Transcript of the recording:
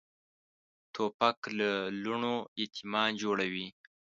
توپک له لوڼو یتیمان جوړوي.